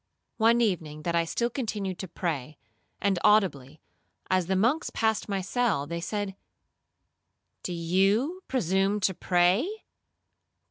'One evening that I still continued to pray, and audibly, as the monks passed my cell they said, 'Do you presume to pray?